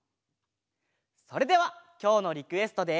それではきょうのリクエストで。